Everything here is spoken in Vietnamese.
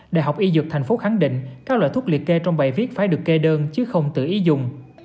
đại học y dược tp hcm khẳng định các loại thuốc liệt kê trong bài viết phải được kê đơn chứ không tự ý dùng